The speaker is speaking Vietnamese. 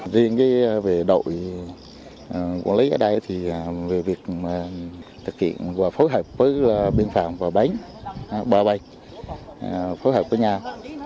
riêng cái về đội quản lý ở đây thì về việc thực hiện và phối hợp với biên phạm và bánh bà bạch phối hợp với nhau